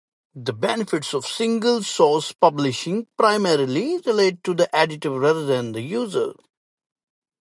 The benefits of single-source publishing primarily relate to the editor rather than the user.